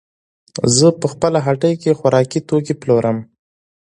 زه په خپله هټۍ کې خوراکي توکې پلورم.